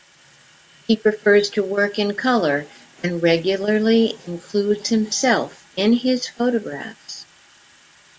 He prefers to work in color, and regularly includes himself in his photographs.